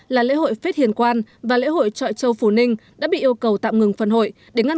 là lễ hội phết hiền quan và lễ hội trọi châu phủ ninh đã bị yêu cầu tạm ngừng phần hội để ngăn